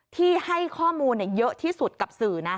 ที่ให้ข้อมูลเยอะที่สุดกับสื่อนะ